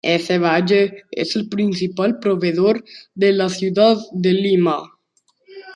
Ese valle es el principal proveedor de la ciudad de Lima.